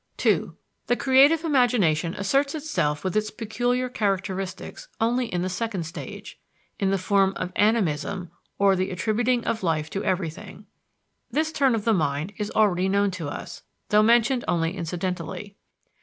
2. The creative imagination asserts itself with its peculiar characteristics only in the second stage, in the form of animism or the attributing of life to everything. This turn of the mind is already known to us, though mentioned only incidentally.